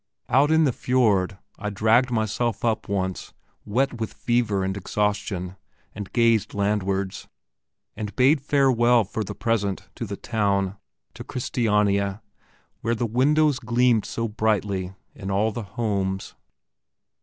Out in the fjord I dragged myself up once, wet with fever and exhaustion, and gazed landwards, and bade farewell for the present to the town to Christiania, where the windows gleamed so brightly in all the homes.